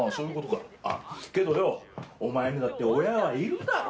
けどよお前にだって親はいるだろうがよ。